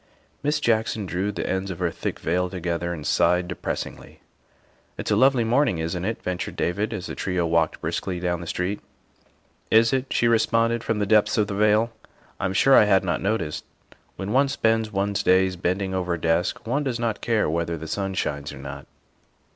Miss Jackson drew the ends of her thick veil together and sighed depressingly. " It's a lovely morning, isn't it?" ventured David as the trio walked briskly down the street. " Is it?" she responded from the depths of the veil. "I'm sure I had not noticed. When one spends one's THE SECRETARY OF STATE 35 days bending over a desk, one does not care whether the sun shines or not.